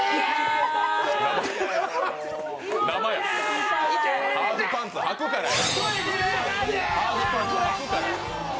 生や、ハーフパンツはくからや。